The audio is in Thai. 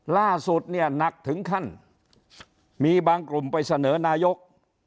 ล่าสุดเนี่ยหนักถึงขั้นมีบางกลุ่มไปเสนอนายก